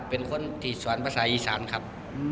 เป็นคนที่สอนภาษาอีสานครับ